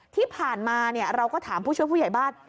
ที่ผ่านมาเราก็ถามผู้ช่วยผู้ใหญ่บ้าน